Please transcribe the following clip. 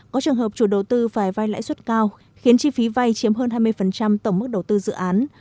có trường hợp chủ đầu tư phải vay lãi suất cao khiến chi phí vay chiếm hơn hai mươi tổng mức đầu tư dự án